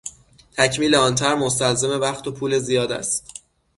تکمیل آن طرح مستلزم وقت و پول زیاد است.